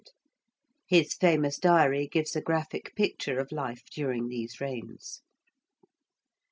His famous diary gives a graphic picture of life during these reigns.